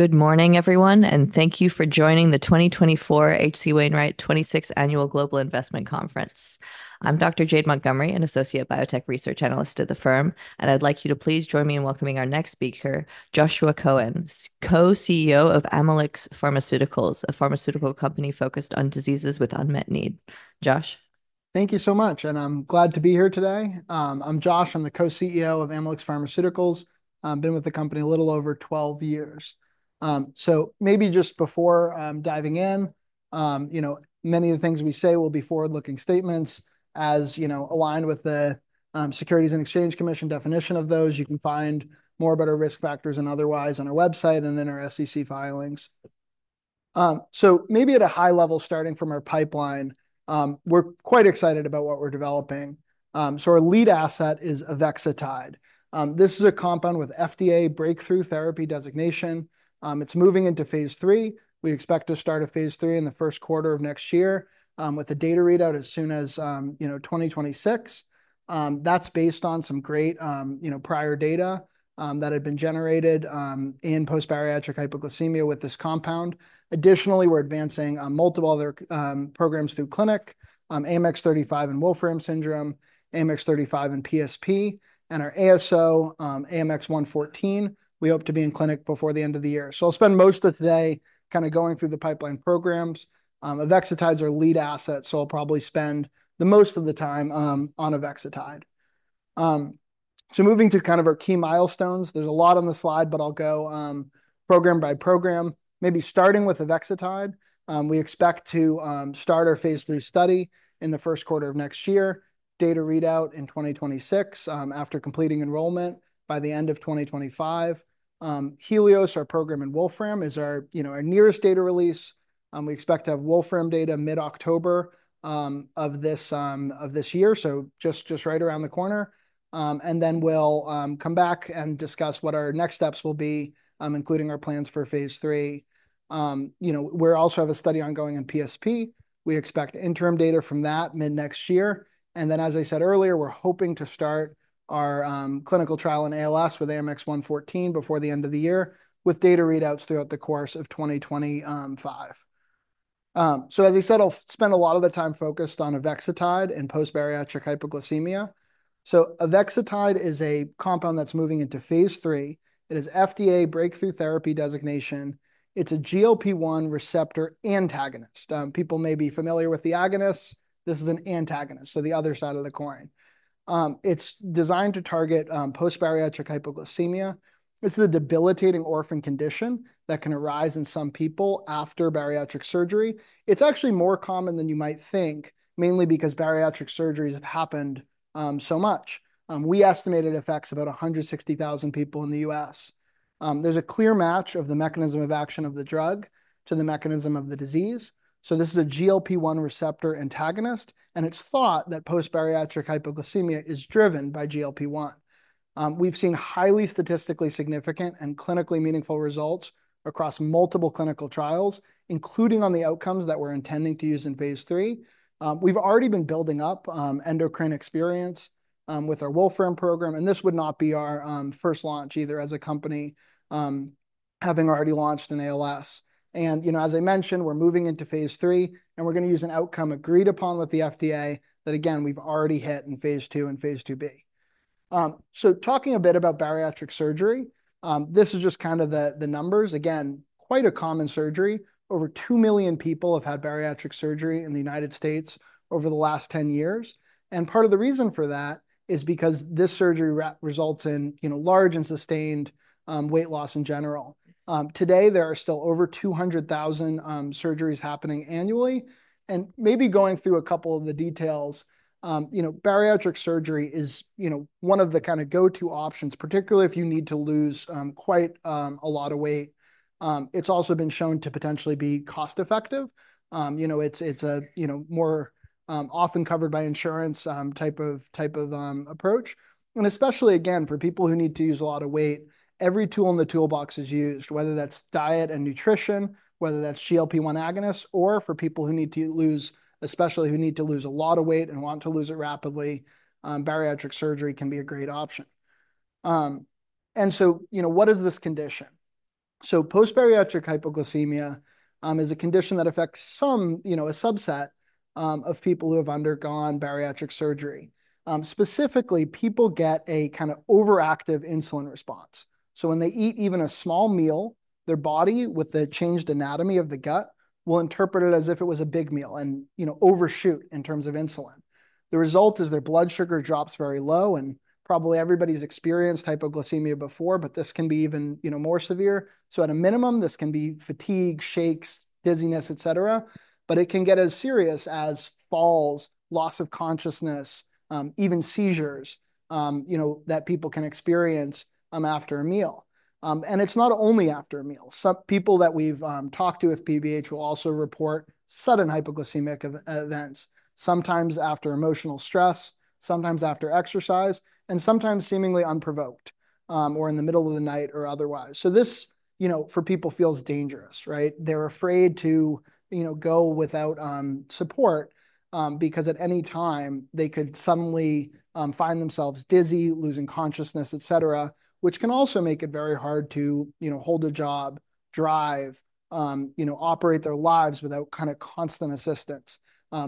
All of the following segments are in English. Good morning, everyone, and thank you for joining the 2024 H.C. Wainwright 26th Annual Global Investment Conference. I'm Dr. Jade Montgomery, an associate biotech research analyst at the firm, and I'd like you to please join me in welcoming our next speaker, Joshua Cohen, Co-CEO of Amylyx Pharmaceuticals, a pharmaceutical company focused on diseases with unmet need. Josh? Thank you so much, and I'm glad to be here today. I'm Josh. I'm the co-CEO of Amylyx Pharmaceuticals. I've been with the company a little over twelve years. So maybe just before diving in, you know, many of the things we say will be forward-looking statements, as, you know, aligned with the Securities and Exchange Commission definition of those. You can find more about our risk factors and otherwise on our website and in our SEC filings. So maybe at a high level, starting from our pipeline, we're quite excited about what we're developing. So our lead asset is avexitide. This is a compound with FDA Breakthrough Therapy designation. It's moving into phase III. We expect to start a phase III in the first quarter of next year, with a data readout as soon as, you know, 2026. That's based on some great, you know, prior data that had been generated in post-bariatric hypoglycemia with this compound. Additionally, we're advancing multiple other programs through clinic, AMX0035 and Wolfram syndrome, AMX0035 and PSP, and our ASO, AMX0114, we hope to be in clinic before the end of the year. So I'll spend most of today kind of going through the pipeline programs. Avexitide's our lead asset, so I'll probably spend the most of the time on avexitide. So moving to kind of our key milestones, there's a lot on the slide, but I'll go program by program. Maybe starting with avexitide, we expect to start our phase III study in the first quarter of next year, data readout in 2026, after completing enrollment by the end of 2025. HELIOS, our program in Wolfram, is our, you know, our nearest data release. We expect to have Wolfram data mid-October of this year, so just right around the corner, and then we'll come back and discuss what our next steps will be, including our plans for phase III. You know, we also have a study ongoing in PSP. We expect interim data from that mid-next year, and then, as I said earlier, we're hoping to start our clinical trial in ALS with AMX0114 before the end of the year, with data readouts throughout the course of 2025. So as I said, I'll spend a lot of the time focused on avexitide and post-bariatric hypoglycemia. So avexitide is a compound that's moving into phase III. It is FDA Breakthrough Therapy designation. It's a GLP-1 receptor antagonist. People may be familiar with the agonist. This is an antagonist, so the other side of the coin. It's designed to target post-bariatric hypoglycemia. This is a debilitating orphan condition that can arise in some people after bariatric surgery. It's actually more common than you might think, mainly because bariatric surgeries have happened so much. We estimate it affects about 160,000 people in the U.S. There's a clear match of the mechanism of action of the drug to the mechanism of the disease, so this is a GLP-1 receptor antagonist, and it's thought that post-bariatric hypoglycemia is driven by GLP-1. We've seen highly statistically significant and clinically meaningful results across multiple clinical trials, including on the outcomes that we're intending to use in phase III. We've already been building up endocrine experience with our Wolfram program, and this would not be our first launch either as a company, having already launched an ALS. And, you know, as I mentioned, we're moving into phase III, and we're gonna use an outcome agreed upon with the FDA that, again, we've already hit in phase II and phase IIb. So talking a bit about bariatric surgery, this is just kind of the numbers. Again, quite a common surgery. Over two million people have had bariatric surgery in the United States over the last 10 years, and part of the reason for that is because this surgery results in, you know, large and sustained weight loss in general. Today there are still over 200,000 surgeries happening annually, and maybe going through a couple of the details, you know, bariatric surgery is, you know, one of the kind of go-to options, particularly if you need to lose quite a lot of weight. It's also been shown to potentially be cost-effective. You know, it's a you know more often covered by insurance type of approach, and especially again, for people who need to lose a lot of weight. Every tool in the toolbox is used, whether that's diet and nutrition, whether that's GLP-1 agonist, or for people, especially who need to lose a lot of weight and want to lose it rapidly, bariatric surgery can be a great option. And so, you know, what is this condition? So post-bariatric hypoglycemia is a condition that affects some, you know, a subset of people who have undergone bariatric surgery. Specifically, people get a kinda overactive insulin response, so when they eat even a small meal, their body, with the changed anatomy of the gut, will interpret it as if it was a big meal and, you know, overshoot in terms of insulin. The result is their blood sugar drops very low, and probably everybody's experienced hypoglycemia before, but this can be even, you know, more severe. So at a minimum, this can be fatigue, shakes, dizziness, et cetera, but it can get as serious as falls, loss of consciousness, even seizures, you know, that people can experience after a meal. And it's not only after a meal. Some people that we've talked to with PBH will also report sudden hypoglycemic events sometimes after emotional stress, sometimes after exercise, and sometimes seemingly unprovoked, or in the middle of the night or otherwise. So this, you know, for people, feels dangerous, right? They're afraid to, you know, go without support, because at any time they could suddenly find themselves dizzy, losing consciousness, et cetera, which can also make it very hard to, you know, hold a job, drive, you know, operate their lives without kind of constant assistance.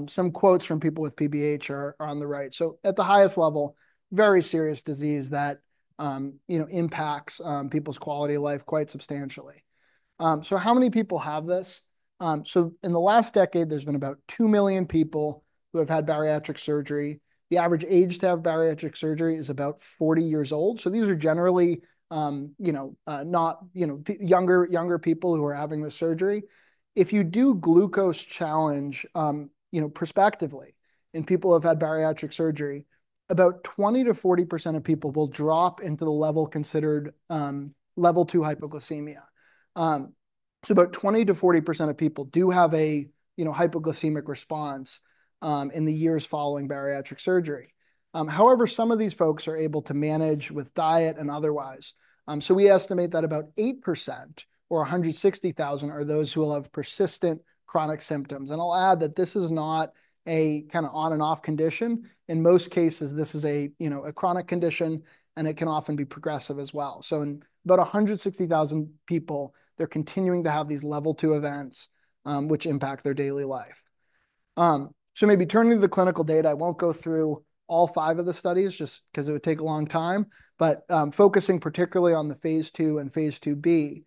Some quotes from people with PBH are on the right. So at the highest level, very serious disease that, you know, impacts people's quality of life quite substantially. So how many people have this? So in the last decade, there's been about two million people who have had bariatric surgery. The average age to have bariatric surgery is about 40 years old. So these are generally, you know, not, you know, the younger people who are having the surgery. If you do glucose challenge, you know, prospectively, in people who have had bariatric surgery, about 20%-40% of people will drop into the level considered, level two hypoglycemia. So about 20%-40% of people do have a, you know, hypoglycemic response, in the years following bariatric surgery. However, some of these folks are able to manage with diet and otherwise, so we estimate that about 8% or 160,000 are those who will have persistent chronic symptoms, and I'll add that this is not a kind of on and off condition. In most cases, this is, you know, a chronic condition, and it can often be progressive as well. So in about 160,000 people, they're continuing to have these level two events, which impact their daily life, so maybe turning to the clinical data, I won't go through all five of the studies just 'cause it would take a long time, but focusing particularly on the phase II and phase IIb.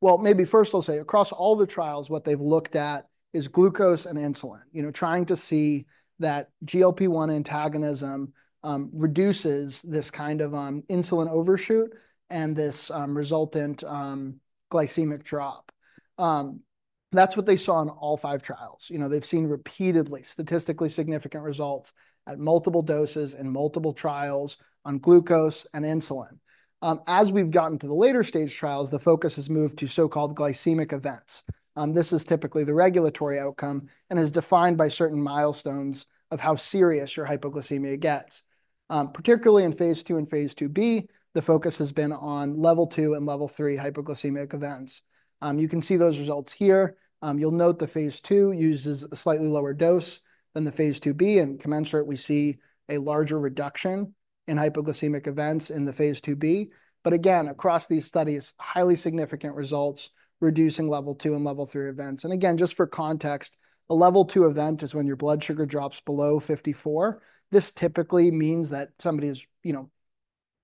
Well, maybe first I'll say, across all the trials, what they've looked at is glucose and insulin. You know, trying to see that GLP-1 antagonism reduces this kind of insulin overshoot and this resultant glycemic drop. That's what they saw on all five trials. You know, they've seen repeatedly statistically significant results at multiple doses in multiple trials on glucose and insulin. As we've gotten to the later stage trials, the focus has moved to so-called glycemic events. This is typically the regulatory outcome and is defined by certain milestones of how serious your hypoglycemia gets. Particularly in phase II and phase IIb, the focus has been on level two and level three hypoglycemic events. You can see those results here. You'll note the phase II uses a slightly lower dose than the phase IIb, and commensurate, we see a larger reduction in hypoglycemic events in the phase IIb. But again, across these studies, highly significant results, reducing level two and level three events. And again, just for context, a level two event is when your blood sugar drops below 54. This typically means that somebody is, you know,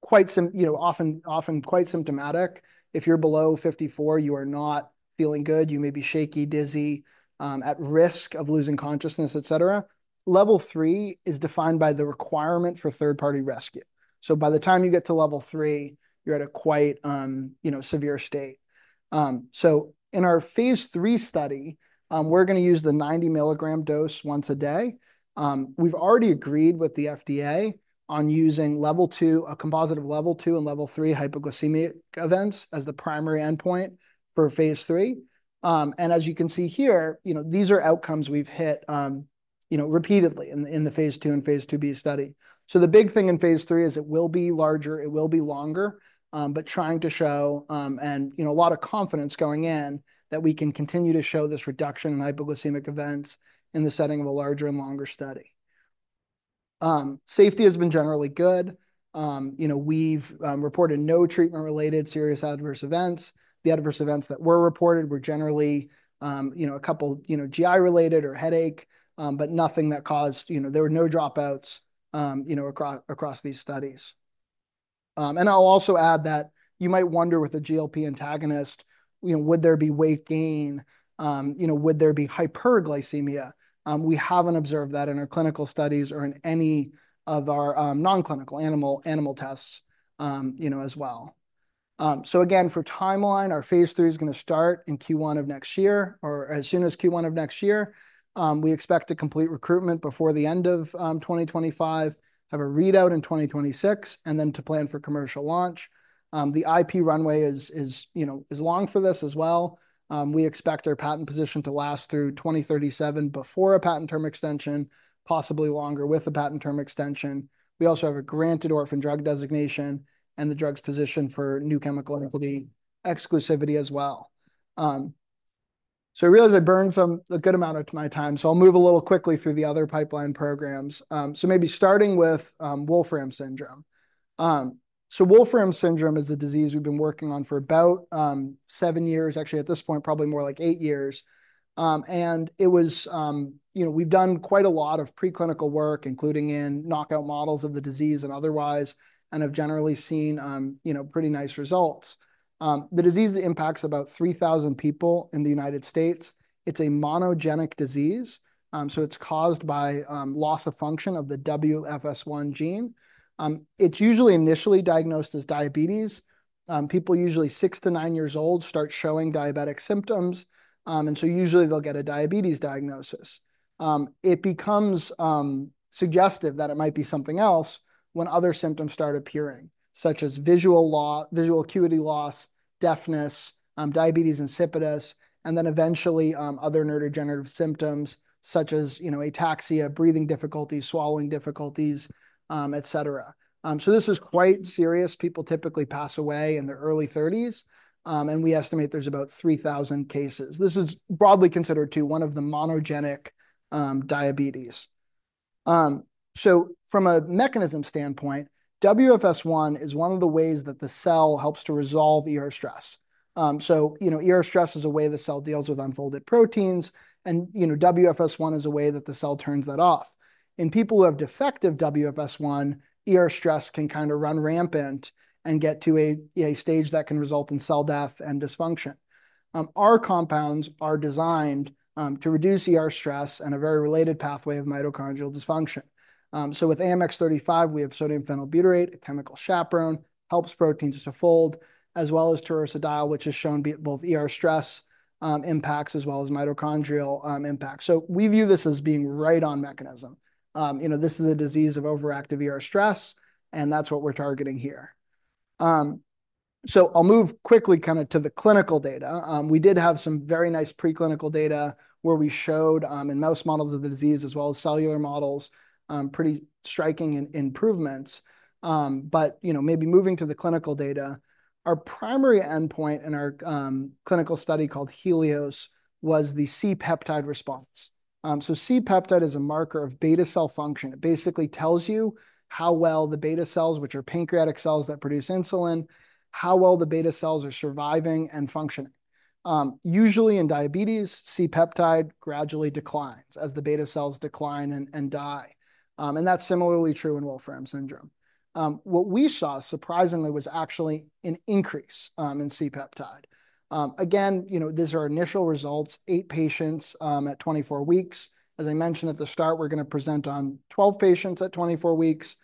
quite, you know, often quite symptomatic. If you're below 54, you are not feeling good. You may be shaky, dizzy, at risk of losing consciousness, et cetera. Level three is defined by the requirement for third-party rescue. So by the time you get to level three, you're at a quite, you know, severe state. So in our phase III study, we're gonna use the 90-milligram dose once a day. We've already agreed with the FDA on using level two, a composite of level two and level three hypoglycemic events, as the primary endpoint for phase III. And as you can see here, you know, these are outcomes we've hit, you know, repeatedly in the phase II and phase IIb study. So the big thing in phase III is it will be larger, it will be longer, but trying to show, and you know, a lot of confidence going in, that we can continue to show this reduction in hypoglycemic events in the setting of a larger and longer study. Safety has been generally good. You know, we've reported no treatment-related serious adverse events. The adverse events that were reported were generally, you know, a couple, you know, GI-related or headache, but nothing that caused, you know, there were no dropouts, you know, across these studies. And I'll also add that you might wonder with a GLP antagonist, you know, would there be weight gain? You know, would there be hyperglycemia? We haven't observed that in our clinical studies or in any of our non-clinical animal tests, you know, as well. So again, for timeline, our phase III is gonna start in Q1 of next year, or as soon as Q1 of next year. We expect to complete recruitment before the end of 2025, have a readout in 2026, and then to plan for commercial launch. The IP runway is, you know, long for this as well. We expect our patent position to last through 2037 before a patent term extension, possibly longer with the patent term extension. We also have a granted orphan drug designation and the drug's position for new chemical entity exclusivity as well. So I realize I burned some a good amount of my time, so I'll move a little quickly through the other pipeline programs. So maybe starting with Wolfram syndrome. So Wolfram syndrome is the disease we've been working on for about seven years, actually, at this point, probably more like eight years. You know, we've done quite a lot of preclinical work, including in knockout models of the disease and otherwise, and have generally seen you know, pretty nice results. The disease impacts about three thousand people in the United States. It's a monogenic disease, so it's caused by loss of function of the WFS1 gene. It's usually initially diagnosed as diabetes. People usually six to nine years old start showing diabetic symptoms, and so usually they'll get a diabetes diagnosis. It becomes suggestive that it might be something else when other symptoms start appearing, such as visual acuity loss, deafness, diabetes insipidus, and then eventually other neurodegenerative symptoms such as, you know, ataxia, breathing difficulties, swallowing difficulties, et cetera. So this is quite serious. People typically pass away in their early 30s, and we estimate there's about 3,000 cases. This is broadly considered, too, one of the monogenic diabetes. So from a mechanism standpoint, WFS1 is one of the ways that the cell helps to resolve ER stress. So, you know, ER stress is a way the cell deals with unfolded proteins, and, you know, WFS1 is a way that the cell turns that off. In people who have defective WFS1, ER stress can kinda run rampant and get to a stage that can result in cell death and dysfunction. Our compounds are designed to reduce ER stress and a very related pathway of mitochondrial dysfunction, so with AMX0035, we have sodium phenylbutyrate, a chemical chaperone, helps proteins to fold, as well as taurursodiol, which has shown both ER stress impacts, as well as mitochondrial impact. So we view this as being right on mechanism. You know, this is a disease of overactive ER stress, and that's what we're targeting here, so I'll move quickly kinda to the clinical data. We did have some very nice preclinical data, where we showed in mouse models of the disease, as well as cellular models, pretty striking improvements. But, you know, maybe moving to the clinical data, our primary endpoint in our clinical study, called HELIOS, was the C-peptide response. So C-peptide is a marker of beta cell function. It basically tells you how well the beta cells, which are pancreatic cells that produce insulin, how well the beta cells are surviving and functioning. Usually in diabetes, C-peptide gradually declines as the beta cells decline and die. And that's similarly true in Wolfram syndrome. What we saw, surprisingly, was actually an increase in C-peptide. Again, you know, these are initial results, eight patients at 24 weeks. As I mentioned at the start, we're gonna present on 12 patients at 24 weeks,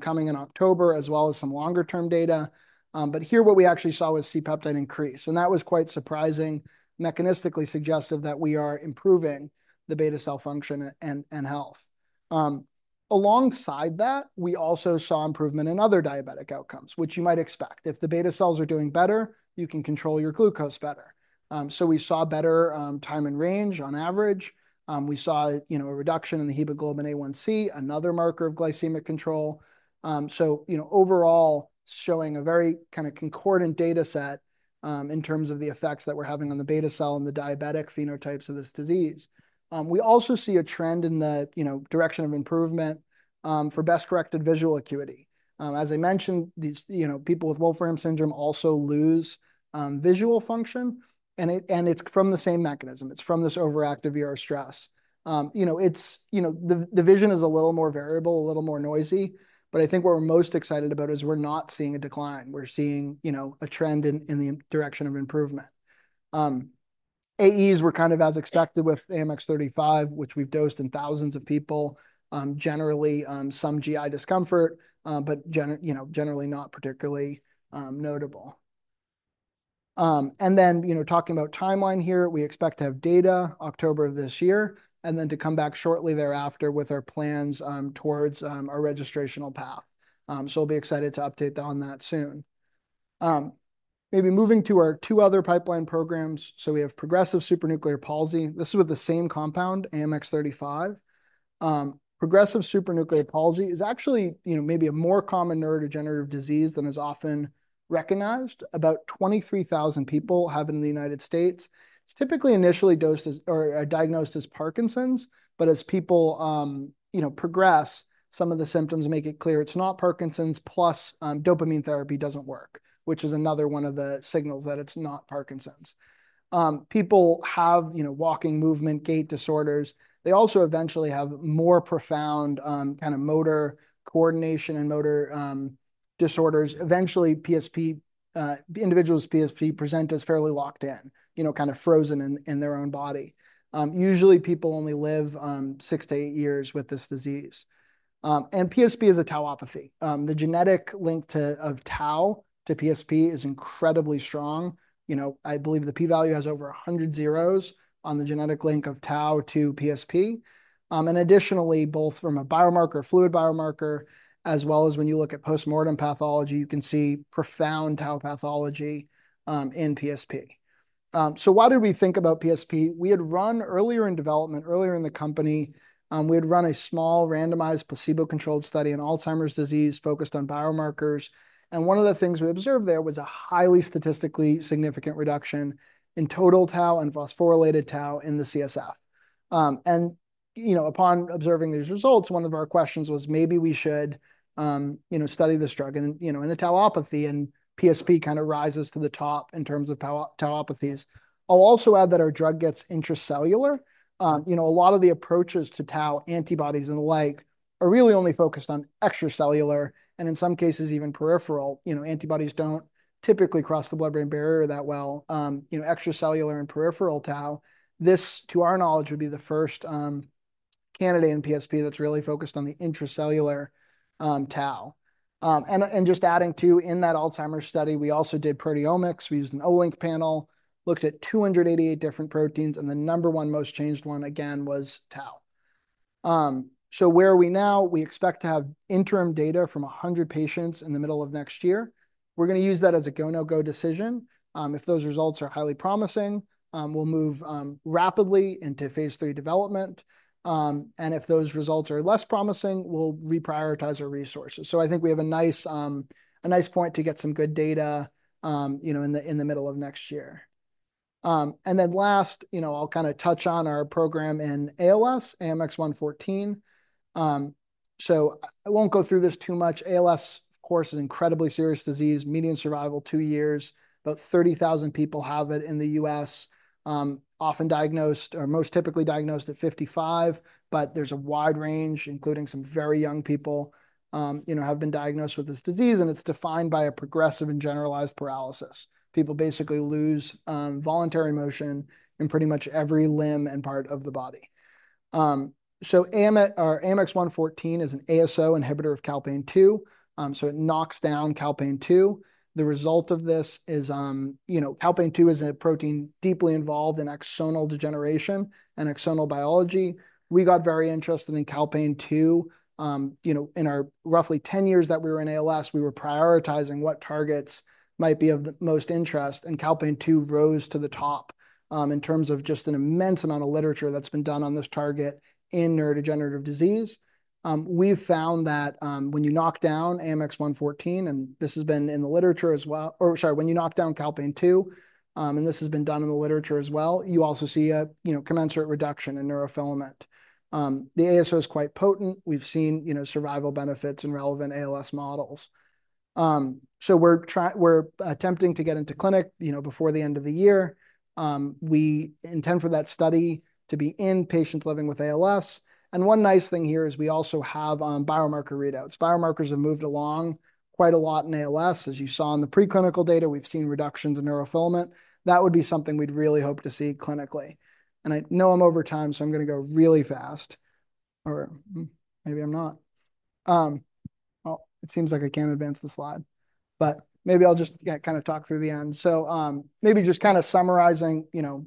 coming in October, as well as some longer-term data. But here, what we actually saw was C-peptide increase, and that was quite surprising, mechanistically suggestive that we are improving the beta cell function and health. Alongside that, we also saw improvement in other diabetic outcomes, which you might expect. If the beta cells are doing better, you can control your glucose better. So we saw better time in range on average. We saw, you know, a reduction in the Hemoglobin A1c, another marker of glycemic control. So, you know, overall, showing a very kinda concordant data set, in terms of the effects that we're having on the beta cell and the diabetic phenotypes of this disease. We also see a trend in the, you know, direction of improvement, for best-corrected visual acuity. As I mentioned, these, you know, people with Wolfram syndrome also lose visual function, and it's from the same mechanism. It's from this overactive ER stress. You know, it's... You know, the vision is a little more variable, a little more noisy, but I think what we're most excited about is we're not seeing a decline. We're seeing, you know, a trend in the direction of improvement. AEs were kind of as expected with AMX0035, which we've dosed in thousands of people. Generally, some GI discomfort, but generally not particularly notable. And then, you know, talking about timeline here, we expect to have data October of this year, and then to come back shortly thereafter with our plans towards our registrational path. So I'll be excited to update on that soon. Maybe moving to our two other pipeline programs, so we have progressive supranuclear palsy. This is with the same compound, AMX0035. Progressive supranuclear palsy is actually, you know, maybe a more common neurodegenerative disease than is often recognized. About 23,000 people have it in the United States. It's typically initially diagnosed as Parkinson's, but as people, you know, progress, some of the symptoms make it clear it's not Parkinson's, plus, dopamine therapy doesn't work, which is another one of the signals that it's not Parkinson's. People have, you know, walking, movement, gait disorders. They also eventually have more profound, kind of motor coordination and motor disorders. Eventually, PSP individuals with PSP present as fairly locked in, you know, kind of frozen in their own body. Usually, people only live six to eight years with this disease, and PSP is a tauopathy. The genetic link of tau to PSP is incredibly strong. You know, I believe the P value has over a 100 zeros on the genetic link of tau to PSP. And additionally, both from a biomarker, fluid biomarker, as well as when you look at postmortem pathology, you can see profound tau pathology in PSP. So why did we think about PSP? We had run earlier in development, earlier in the company, we had run a small, randomized, placebo-controlled study on Alzheimer's disease, focused on biomarkers, and one of the things we observed there was a highly statistically significant reduction in total tau and phosphorylated tau in the CSF. And, you know, upon observing these results, one of our questions was: Maybe we should, you know, study this drug in, you know, in a tauopathy, and PSP kinda rises to the top in terms of tauopathies. I'll also add that our drug gets intracellular. You know, a lot of the approaches to tau, antibodies and the like, are really only focused on extracellular, and in some cases, even peripheral. You know, antibodies don't typically cross the blood-brain barrier that well. You know, extracellular and peripheral tau, this, to our knowledge, would be the first, candidate in PSP that's really focused on the intracellular, tau. Just adding, too, in that Alzheimer's study, we also did proteomics. We used an Olink panel, looked at 288 different proteins, and the number one most changed one, again, was tau. So where are we now? We expect to have interim data from a hundred patients in the middle of next year. We're gonna use that as a go, no-go decision. If those results are highly promising, we'll move rapidly into phase III development, and if those results are less promising, we'll reprioritize our resources. So I think we have a nice point to get some good data you know, in the middle of next year. And then last, you know, I'll kind of touch on our program in ALS, AMX0114. So I won't go through this too much. ALS, of course, is an incredibly serious disease, median survival two years. About 30,000 people have it in the U.S. Often diagnosed or most typically diagnosed at 55, but there's a wide range, including some very young people, you know, have been diagnosed with this disease, and it's defined by a progressive and generalized paralysis. People basically lose voluntary motion in pretty much every limb and part of the body. So AMX0114 is an ASO inhibitor of calpain-2, so it knocks down calpain-2. The result of this is, you know, calpain-2 is a protein deeply involved in axonal degeneration and axonal biology. We got very interested in calpain-2. You know, in our roughly 10 years that we were in ALS, we were prioritizing what targets might be of the most interest, and calpain-2 rose to the top, in terms of just an immense amount of literature that's been done on this target in neurodegenerative disease. We've found that, when you knock down AMX0114, and this has been in the literature as well- or sorry, when you knock down calpain-2, and this has been done in the literature as well, you also see a, you know, commensurate reduction in neurofilament. The ASO is quite potent. We've seen, you know, survival benefits in relevant ALS models. So we're trying- we're attempting to get into clinic, you know, before the end of the year. We intend for that study to be in patients living with ALS, and one nice thing here is we also have, biomarker readouts. Biomarkers have moved along quite a lot in ALS. As you saw in the preclinical data, we've seen reductions in neurofilament. That would be something we'd really hope to see clinically. And I know I'm over time, so I'm gonna go really fast, or maybe I'm not. Well, it seems like I can't advance the slide, but maybe I'll just kind of talk through the end. So, maybe just kind of summarizing, you know.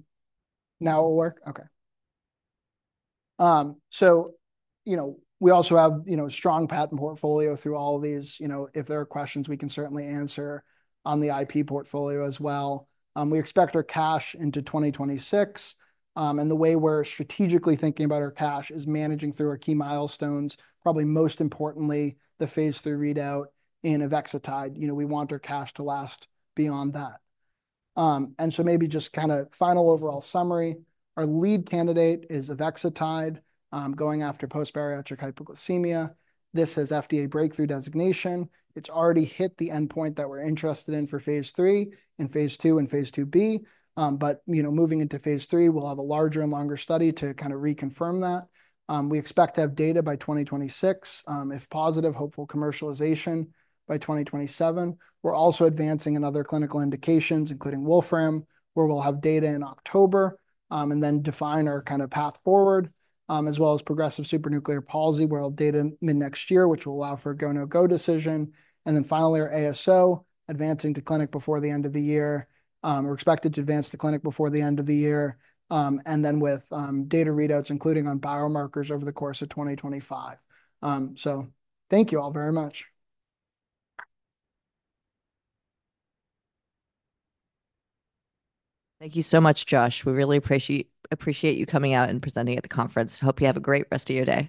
Now it will work? Okay. So, you know, we also have, you know, strong patent portfolio through all of these. You know, if there are questions, we can certainly answer on the IP portfolio as well. We expect our cash into 2026, and the way we're strategically thinking about our cash is managing through our key milestones, probably most importantly, the phase III readout in avexitide. You know, we want our cash to last beyond that. And so maybe just kind of final overall summary. Our lead candidate is avexitide, going after post-bariatric hypoglycemia. This has FDA breakthrough designation. It's already hit the endpoint that we're interested in for phase III and phase II and phase IIb. But, you know, moving into phase III, we'll have a larger and longer study to kind of reconfirm that. We expect to have data by 2026. If positive, hopeful commercialization by 2027. We're also advancing in other clinical indications, including Wolfram, where we'll have data in October, and then define our kind of path forward, as well as progressive supranuclear palsy, where we'll have data mid-next year, which will allow for a go/no-go decision. Then finally, our ASO, advancing to clinic before the end of the year, or expected to advance to clinic before the end of the year. Then with data readouts, including on biomarkers over the course of 2025. Thank you all very much. Thank you so much, Josh. We really appreciate you coming out and presenting at the conference. Hope you have a great rest of your day.